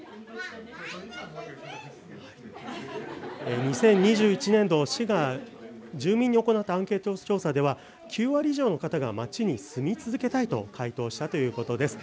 ２０２１年度、市が住民に行ったアンケート調査では９割以上の方が街に住み続けたいと回答したということです。